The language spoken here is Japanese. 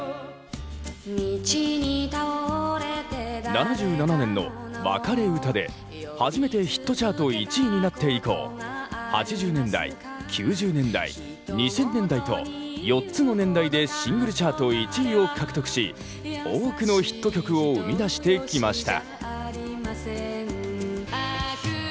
７７年の「わかれうた」で初めてヒットチャート１位になって以降８０年代９０年代２０００年代と４つの年代でシングルチャート１位を獲得し多くのヒット曲を生みだしてきました。